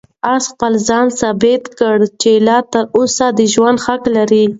آس خپل ځان ته ثابته کړه چې لا تر اوسه د ژوند حق لري.